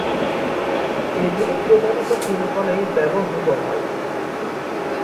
এগুলি প্রধানত চিনিকলেই ব্যবহূত হয়।